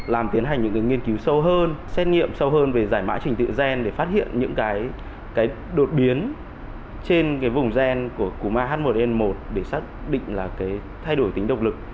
làm tiến hành những nghiên cứu sâu hơn xét nghiệm sâu hơn về giải mã trình tựa gen để phát hiện những đột biến trên vùng gen của cúm ah một n một để xác định thay đổi tính độc lực